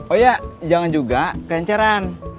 oh iya jangan juga kehancaran